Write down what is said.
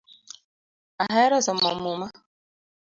Ahero somo muma